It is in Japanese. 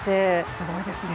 すごいですね。